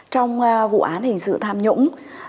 trong vụ án hình sự tham nhũng